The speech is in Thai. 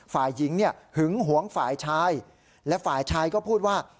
ฝ่ายหญิงเนี่ยหึงหวงฝ่ายชายและฝ่ายชายก็พูดว่า